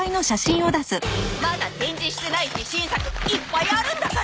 まだ展示してない自信作いっぱいあるんだから！